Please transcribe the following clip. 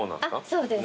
そうです。